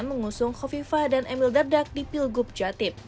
mengusung kofifah dan emil dardak di pilgub jatim